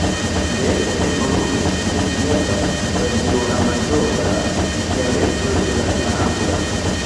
Tiel evoluis speciala radioamatora dialekto de la angla.